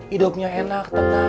hidupnya enak tenang